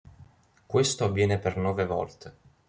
Questo avviene per nove volte.